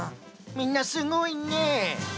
みんなすごいね。